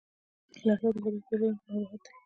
الهیات د خدای پېژندنې مباحث دي.